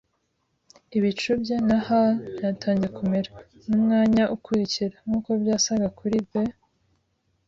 ibicu bye na hull byatangiye kumera, numwanya ukurikira, nkuko byasaga (kuri, the